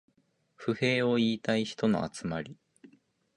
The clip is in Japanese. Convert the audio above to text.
不平を言いたい人の集まり